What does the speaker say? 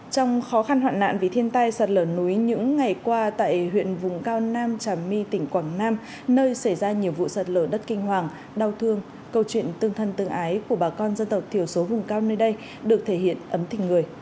trong khó khăn hoạn nạn vì thiên tai sạt lở núi những ngày qua tại huyện vùng cao nam trà my tỉnh quảng nam nơi xảy ra nhiều vụ sạt lở đất kinh hoàng đau thương câu chuyện tương thân tương ái của bà con dân tộc thiểu số vùng cao nơi đây được thể hiện ấm tình người